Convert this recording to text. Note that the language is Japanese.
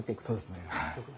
そうですね。